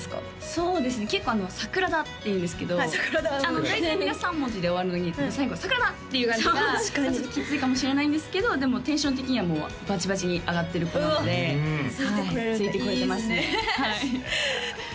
そうですね結構桜田っていうんですけど大体みんな３文字で終わるのに最後「桜田！」っていう感じがちょっときついかもしれないんですけどでもテンション的にはもうバチバチに上がってる子なのでついてこれるんだいいですね